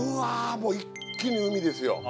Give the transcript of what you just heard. もう一気に海ですよ